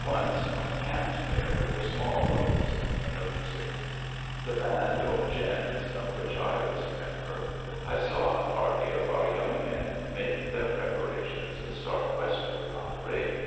Once, when camped here with the Small Robes (I nuk´ siks), the band, or gens, of which I was a member, I saw a party of our young men make their preparations and start westward on a raid.